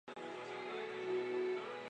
并在国外订购了大门门锁。